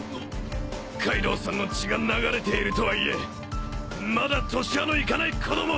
カイドウさんの血が流れているとはいえまだ年端のいかない子供。